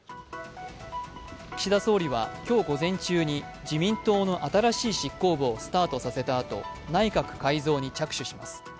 岸田総理は今日午前中に自民党の新しい執行部をスタートさせたあと内閣改造に着手します。